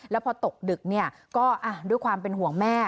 แล้วพอตกดึกก็ด้วยความเป็นห่วงแม่